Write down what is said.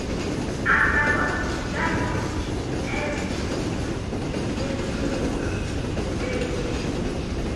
Atahuadɨ daño eillɨmo ñekɨrogaɨ ferride.